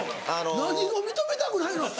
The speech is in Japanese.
何を認めたくないの？